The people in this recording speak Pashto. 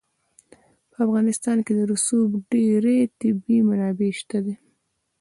په افغانستان کې د رسوب ډېرې طبیعي منابع شته دي.